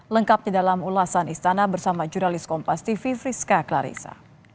lengkap di dalam ulasan istana bersama juralis kompas tv friska klarisa